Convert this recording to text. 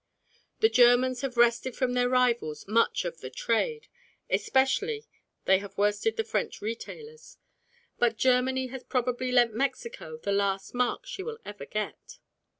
The Germans have wrested from their rivals much of the trade; especially have they worsted the French retailers. But Germany has probably lent Mexico the last mark she will ever get.